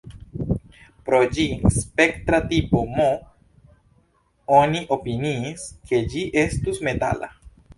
Pro ĝi spektra tipo M, oni opiniis, ke ĝi estus metala.